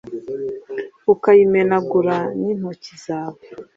ukayimenagura n'intoki zawe